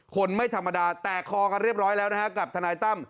คนไม่ธรรมดาแตกคอกันเรียบร้อยแล้วนะฮะกับทนายตั้ม